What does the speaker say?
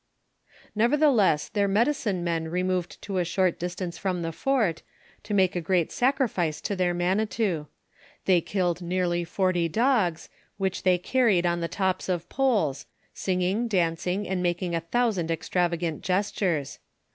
" Neverthelesa, their medioine mon removed to a short distance iVom the fort, to make a great sacrifice to tlieir manitou. Tliey killed nearly forty dogs, which they carried on the tops of polo^ singing, dancing, and making a thousand ex travagant gestures.